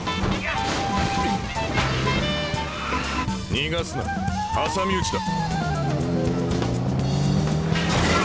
逃がすな挟み撃ちだ。